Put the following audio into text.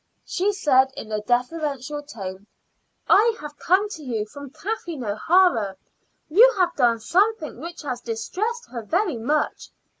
She said in a deferential tone: "I have come to you, from Kathleen O'Hara. You have done something which has distressed her very much.